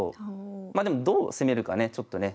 まあでもどう攻めるかねちょっとね